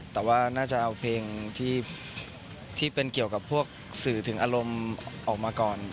แต่ว่าน่าจะเอาเพลงที่เป็นเกี่ยวกับพวกสื่อถึงอารมณ์ออกมาก่อน